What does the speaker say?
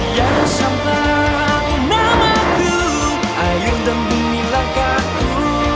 yang santang namaku air dan bumi langkahku